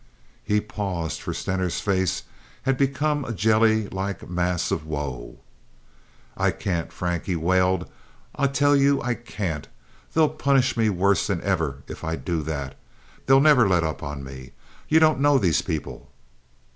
He paused, for Stener's face had become a jelly like mass of woe. "I can't, Frank," he wailed. "I tell you I can't. They'll punish me worse than ever if I do that. They'll never let up on me. You don't know these people."